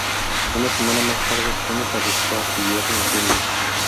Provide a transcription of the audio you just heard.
Una semana más tarde, Funes arrestó a su yerno Bulnes.